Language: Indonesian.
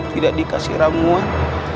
tidak dikasih ramuan